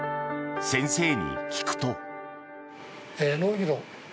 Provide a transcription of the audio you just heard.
先生に聞くと。